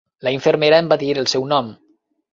La infermera em va dir el seu nom.